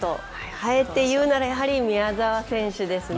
あえていうなら宮澤選手ですね。